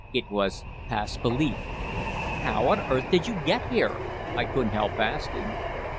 It was past belief. "'How on earth did you get here?' I couldn't help asking.